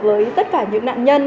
với tất cả những nạn nhân